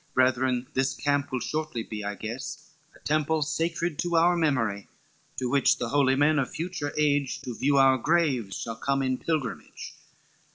Brethren, this camp will shortly be, I guess, A temple, sacred to our memory, To which the holy men of future age, To view our graves shall come in pilgrimage.